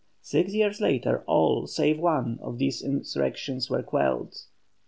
Six years later all, save one, of these insurrections were quelled.